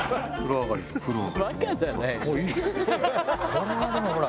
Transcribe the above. これはでもほら。